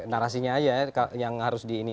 narasinya aja yang harus di ini